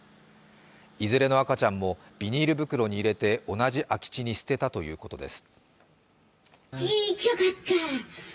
いずれの赤ちゃんもビニール袋に入れて同じ空き地に捨てたということです。